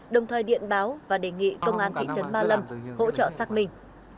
đồng thời điện báo và đề nghị công an thị trấn ma lâm hỗ trợ xác minh